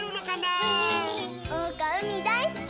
おうかうみだいすき！